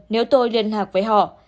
nếu tôi liên hạc với họ